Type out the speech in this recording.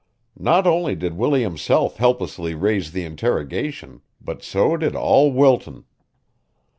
Not only did Willie himself helplessly raise the interrogation but so did all Wilton.